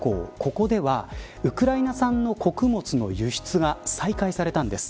ここではウクライナ産の穀物の輸出が再開されたんです。